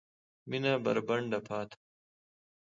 مېنه بربنډه پاته